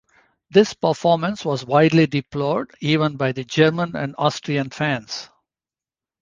This performance was widely deplored, even by the German and Austrian fans.